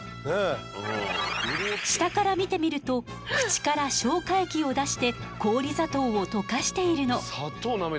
下から見てみると口から消化液を出して氷砂糖を溶かしているの。